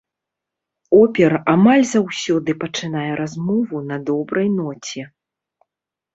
Опер амаль заўсёды пачынае размову на добрай ноце.